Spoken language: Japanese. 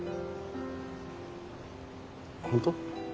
本当？